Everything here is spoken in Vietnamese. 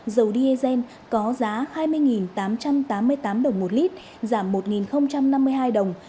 dầu diesel có giá hai mươi tám trăm tám mươi tám đồng một lít giảm một năm mươi hai đồng